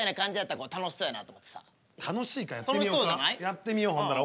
やってみようほんなら。